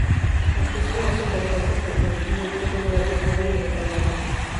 Las fiestas más importantes en Haití ocurren en la temporada de Carnaval.